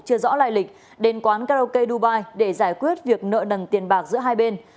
chưa rõ lại lịch đến quán karaoke dubai để giải quyết việc nợ nần tiền bạc giữa hai bên